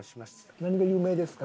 何が有名ですか？